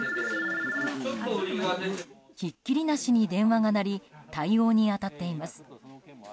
ひっきりなしに電話が鳴り対応に当たっています。